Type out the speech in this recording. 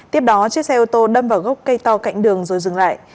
tiếp đó chiếc xe ô tô đâm vào gốc cây to cạnh đường rồi dừng lại